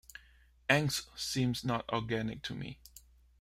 "Angst" seems not organic to me.